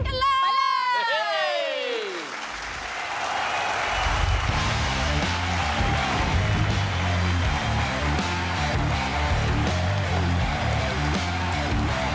ทำไปเล่นถนับเนี่ยเป็นล้านล้านฝานะ